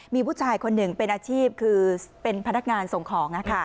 มีผู้ชายคนหนึ่งเป็นอาชีพคือเป็นพนักงานส่งของ